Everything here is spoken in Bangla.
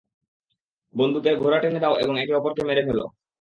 বন্দুকের ঘোড়া টান দাও এবং একে অপরকে মেরে ফেলো।